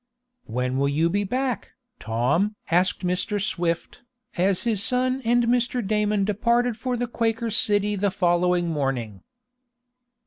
"When will you be back, Tom?" asked Mr. Swift, as his son and Mr. Damon departed for the Quaker City the following morning.